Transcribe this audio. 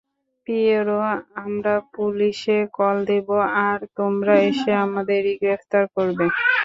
Piero, আমরা পুলিশে call দেবো, আর তোমরা এসে আমাদেরই গ্রেপ্তার করবে।